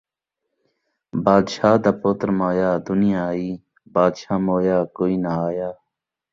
بادشاہ دا پتر مویا دنیا آئی، بادشاہ مویا کئی ناں آیا